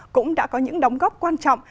cũng đã có những đóng góp quan trọng